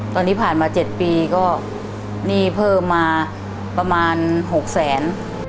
ตอนนี้ผ่านมา๗ปีก็หนี้เพิ่มมาประมาณ๖แสน